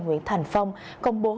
nguyễn thành phong công bố